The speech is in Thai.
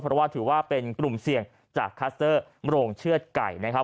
เพราะว่าถือว่าเป็นกลุ่มเสี่ยงจากคัสเตอร์โรงเชือดไก่นะครับ